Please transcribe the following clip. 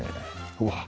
うわっ！